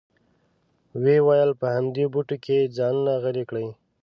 وې ویل په همدې بوټو کې ځانونه غلي کړئ.